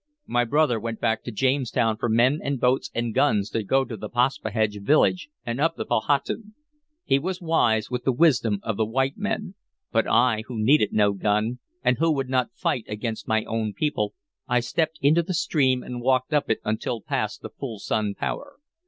My brother went back to Jamestown for men and boats and guns to go to the Paspahegh village and up the Powhatan. He was wise with the wisdom of the white men, but I, who needed no gun, and who would not fight against my own people, I stepped into the stream and walked up it until past the full sun power.